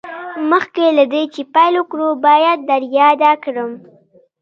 مخکې له دې چې پیل وکړو باید در یاده کړم